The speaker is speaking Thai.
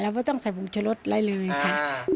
เราไม่ต้องใส่ปรุงชะลดได้เลยค่ะ